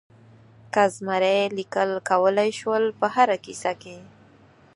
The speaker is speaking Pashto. که زمری لیکل کولای شول په هره کیسه کې.